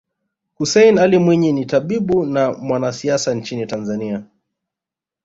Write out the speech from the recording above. Hussein Ally Mwinyi ni tabibu na mwanasiasa nchini Tanzania